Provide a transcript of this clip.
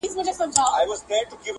ښکارپورۍ زنه دې په ټوله انډيا کي نسته